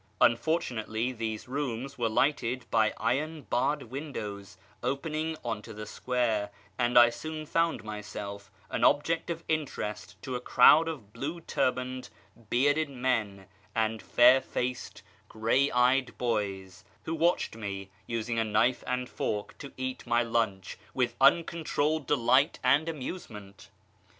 Unfortunately, these rooms were lighted by iron barred windows opening on to the square, and I soon found myself an object of interest to a crowd of blue turbaned, bearded men, and fair faced, gray eyed boys, who watched me using a knife and fork to eat my lunch with uncontrolled delight and amusement.